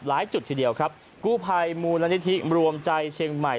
จุดทีเดียวครับกู้ภัยมูลนิธิรวมใจเชียงใหม่